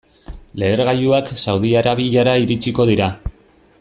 Lehergailuak Saudi Arabiara iritsiko dira.